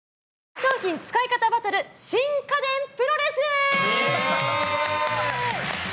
商品使い方バトル新家電プロレス。